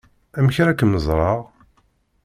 Amek ara kem-ẓreɣ?